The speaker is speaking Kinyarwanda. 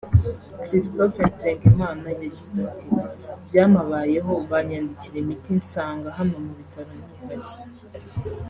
Christophe Nsengimana yagize ati “Byamabayeho banyandikira imiti nsanga hano mu bitaro ntihari